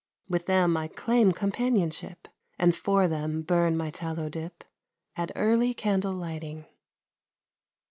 With them I claim companionship, And for them burn my tallow dip, At early candle lighting.